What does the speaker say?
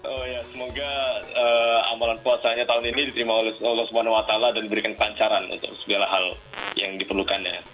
oh ya semoga amalan puasanya tahun ini diterima oleh allah swt dan diberikan kelancaran untuk segala hal yang diperlukan ya